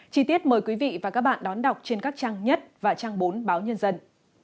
chí tiết mời quý vị và các bạn đón đọc trên các trang nhất và trang bốn báo nhân dân